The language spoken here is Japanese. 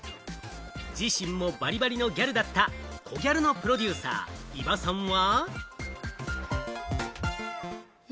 自身もバリバリのギャルだったコギャルのプロデューサー・井場さんは。